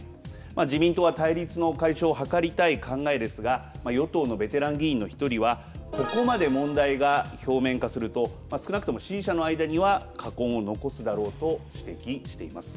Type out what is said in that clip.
自民党は対立の解消を図りたい考えですが与党のベテラン議員の１人はここまで問題が表面化すると少なくとも支持者の間には禍根を残すだろうと指摘しています。